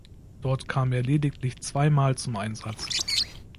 Dort kam er lediglich zweimal zum Einsatz.